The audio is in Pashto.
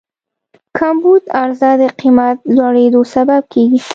کمبود عرضه د قیمت لوړېدو سبب کېږي.